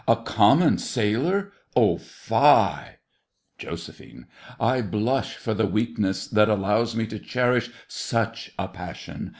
A common sailor? Oh fie! JOS. I blush for the weakness that allows me to cherish such a passion.